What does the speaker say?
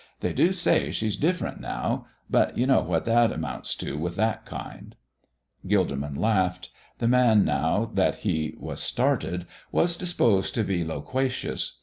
They do say she's different now, but you know what that amounts to with that kind." Gilderman laughed. The man, now that he was started, was disposed to be loquacious.